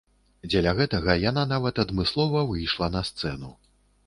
Дзеля гэтага яна нават адмыслова выйшла на сцэну.